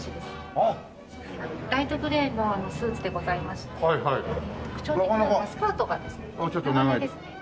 ライトグレーのスーツでございまして特徴的なのがスカートがですね長めですね。